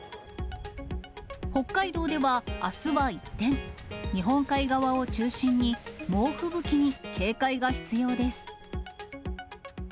北海道では、あすは一転、日本海側を中心に猛吹雪に警戒が必要です。